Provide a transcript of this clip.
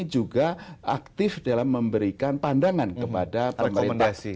juga aktif dalam memberikan pandangan kepada pemerintah